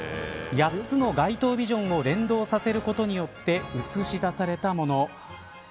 ８つの街頭ビジョンを連動させることによって映し出されたもの。